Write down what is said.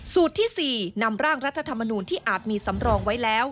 ที่๔นำร่างรัฐธรรมนูลที่อาจมีสำรองไว้แล้ว